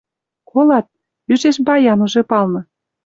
Колат, ӱжеш баян уже палны